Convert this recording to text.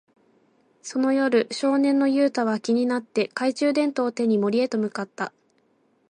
その夜、少年のユウタは気になって、懐中電灯を手に森へと向かった。